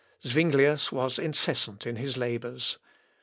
Zuinglius was incessant in his labours.